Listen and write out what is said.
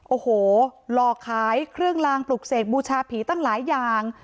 โอ้โหหลอกขายเครื่องลางปลุกเสกบูชาผีตั้งหลายอย่าง